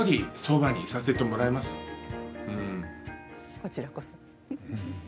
こちらこそ。